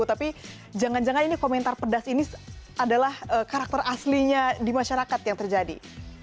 tapi jangan jangan ini komentar pedas ini adalah karakter aslinya di masyarakat yang terjadi